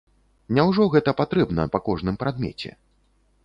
Няўжо гэта патрэбна па кожным прадмеце?